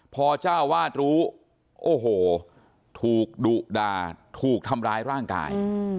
พอเจ้าวาดรู้โอ้โหถูกดุด่าถูกทำร้ายร่างกาย